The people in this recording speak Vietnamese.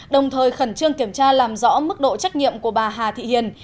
đồng thời khẩn trương kiểm tra làm rõ mức độ trách nhiệm của bà hà thị hiền